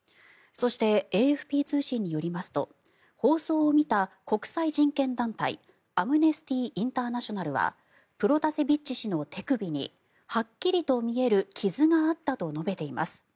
そして、ＡＦＰ通信によりますと放送を見た国際人権団体アムネスティ・インターナショナルはプロタセビッチ氏の手首にはっきりと見える傷があったと述べています。